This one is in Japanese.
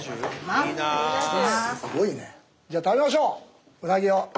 じゃあ食べましょううなぎを。